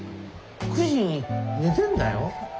９時に寝てんだよ？